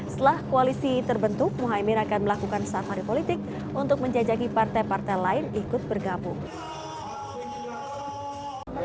setelah koalisi terbentuk muhaymin akan melakukan safari politik untuk menjajaki partai partai lain ikut bergabung